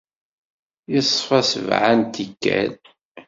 Yeṣfa sebɛa n tikkal.